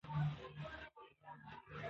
دا ډول فعالیتونه د کورنۍ اقتصاد پیاوړی کوي.